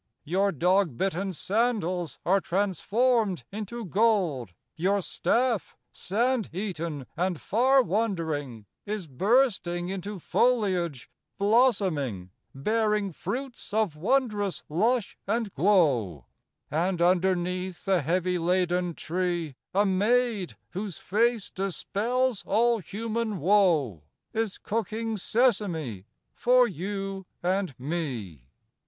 Your dog bitten sandals are transformed into gold; Your staff, sand eaten and far wandering, Is bursting into foliage, blossoming, Bearing fruits of wondrous lush and glow; And underneath the heavy laden tree A maid, whose face dispels all human woe, Is cooking sesame for you and me.